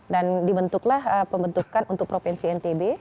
dan dibentuklah pembentukan untuk provinsi ntb